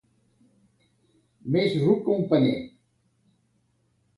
Més ruc que un paner.